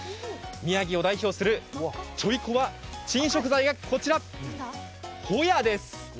宮城を代表するちょいコワ珍食材がこちら、ホヤです。